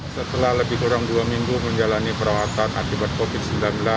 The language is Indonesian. setelah lebih kurang dua minggu menjalani perawatan akibat covid sembilan belas